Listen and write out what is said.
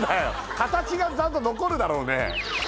形がちゃんと残るだろうね？